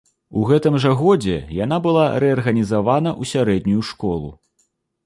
У гэтым жа годзе яна была рэарганізавана ў сярэднюю школу.